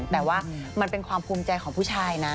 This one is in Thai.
แต่ว่ามันเป็นความภูมิใจของผู้ชายนะ